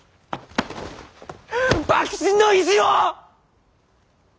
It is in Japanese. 幕臣の意地を！